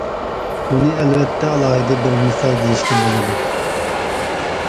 بۇنى ئەلۋەتتە ئالاھىدە بىر مىسال دېيىشكە بولىدۇ.